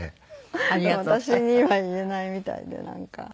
でも私には言えないみたいでなんか。